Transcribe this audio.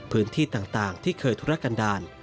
พื้นที่ต่างที่เคยธุรกันดาล